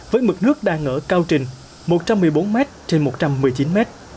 với mực nước đang ở cao trình một trăm một mươi bốn m trên một trăm một mươi chín mét